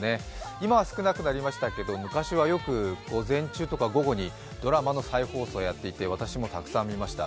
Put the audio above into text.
今は少なくなりましたけれども、昔はよく、午前中とか午後にドラマの再放送をやっていて私もよく見ました。